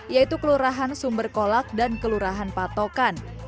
yaitu kelurahan sumber kolak dan kelurahan patokan